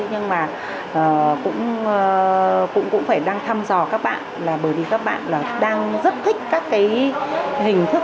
nhưng mà cũng phải đang thăm dò các bạn là bởi vì các bạn đang rất thích các cái hình thức